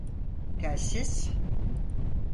Telsiz…